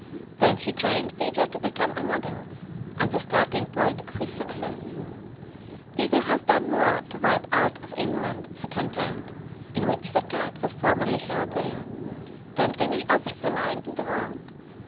Then he trained Peter to become a model and the starting point of his success. Peter has done more to wipe out of England the contempt in which the cat was formerly held there, than any other feline in the world.